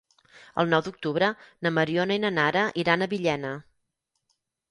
El nou d'octubre na Mariona i na Nara iran a Villena.